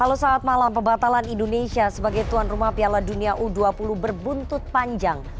halo saat malam pembatalan indonesia sebagai tuan rumah piala dunia u dua puluh berbuntut panjang